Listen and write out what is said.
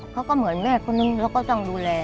เขาก็เหมือนแม่คนนึงเขาก็ต้องดูแล